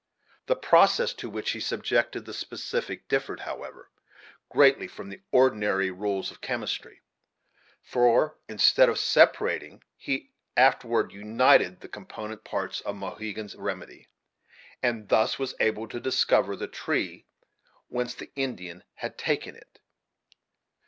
The process to which he subjected the specific differed, however, greatly from the ordinary rules of chemistry; for instead of separating he afterward united the component parts of Mohegan's remedy, and was thus able to discover the tree whence the Indian had taken it.